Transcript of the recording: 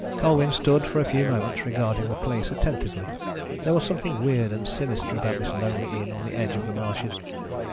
Colwyn stood for a few moments regarding the place attentively. There was something weird and sinister about this lonely inn on the edge of the marshes.